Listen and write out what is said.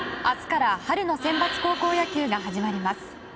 明日から春のセンバツ高校野球が始まります。